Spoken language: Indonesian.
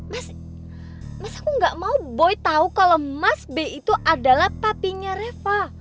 mas mas aku gak mau boy tahu kalau mas b itu adalah papinya reva